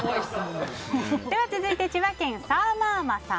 続いて、千葉県の方。